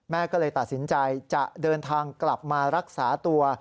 ก็เลยตัดสินใจจะเดินทางกลับมารักษาตัว